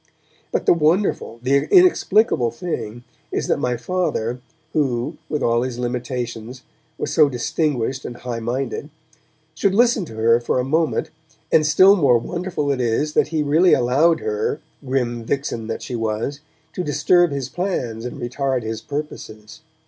But the wonderful, the inexplicable thing is that my Father, who, with all his limitations, was so distinguished and high minded, should listen to her for a moment, and still more wonderful is it that he really allowed her, grim vixen that she was, to disturb his plans and retard his purposes.